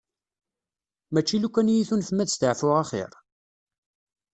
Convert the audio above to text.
Mačči lukan iyi-tunfem ad staɛfuɣ axir?